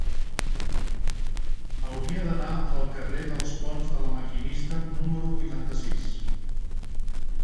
Hauria d'anar al carrer dels Ponts de La Maquinista número vuitanta-sis.